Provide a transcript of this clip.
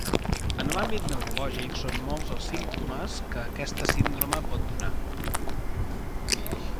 En l'àmbit neurològic són molts els símptomes que aquesta síndrome pot donar.